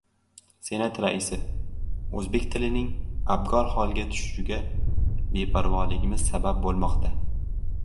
Senat raisi: «O‘zbek tilining abgor holga tushishiga beparvoligimiz sabab bo‘lmoqda»